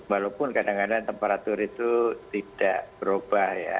walaupun kadang kadang temperatur itu tidak berubah ya